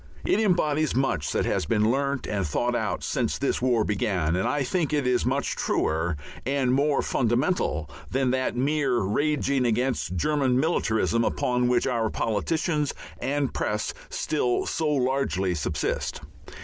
It embodies much that has been learnt and thought out since this war began, and I think it is much truer and more fundamental than that mere raging against German "militarism," upon which our politicians and press still so largely subsist.